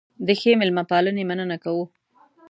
د ښې مېلمه پالنې مننه کوو.